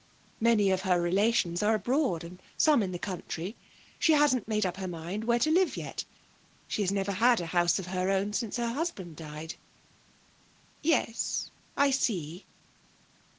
Many of her relations are abroad, and some in the country. She hasn't made up her mind where to live yet. She has never had a house of her own since her husband died.' 'Yes, I see.'